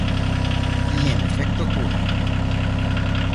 Y, en efecto, ocurre.